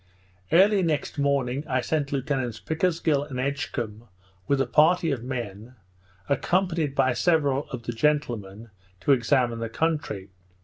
Early next morning, I sent Lieutenants Pickersgill and Edgecumbe with a party of men, accompanied by several of the gentlemen, to examine the country.